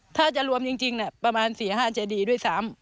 ถ้าจะรวมจริงประมาณ๔๕เจดีด้วยซ้ำ